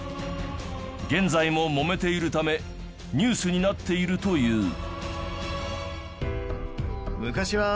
現在ももめているためニュースになっているという。